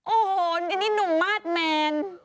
โอ้โหนี่หนุ่มมาสแมน